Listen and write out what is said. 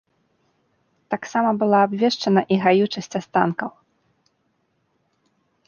Таксама была абвешчана і гаючасць астанкаў.